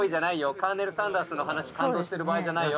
カーネル・サンダースの話感動してる場合じゃないよ。